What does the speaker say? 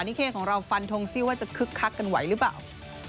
นิเคของเราฟันทงซิว่าจะคึกคักกันไหวหรือเปล่า